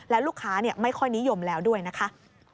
แล้วลูกค้าไม่ค่อยนิยมแล้วด้วยนะคะ